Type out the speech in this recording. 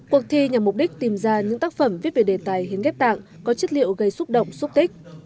cuộc thi nhằm mục đích tìm ra những tác phẩm viết về đề tài hiến ghép tạng có chất liệu gây xúc động xúc tích